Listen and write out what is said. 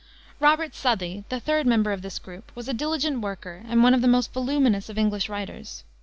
Robert Southey, the third member of this group, was a diligent worker and one of the most voluminous of English writers.